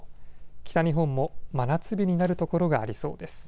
北日本も真夏日になるところがありそうです。